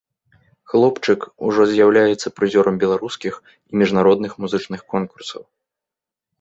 Хлопчык ужо з'яўляецца прызёрам беларускіх і міжнародных музычных конкурсаў.